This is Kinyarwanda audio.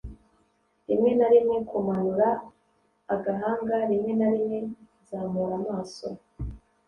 rimwe na rimwe kumanura agahanga, rimwe na rimwe kuzamura amaso